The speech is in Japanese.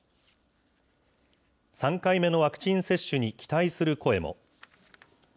３回目のワクチン接種に期待する声も。